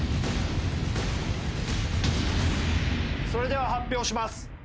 それでは発表します